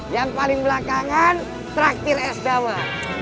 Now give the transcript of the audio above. yang paling belakangan traktir es dawan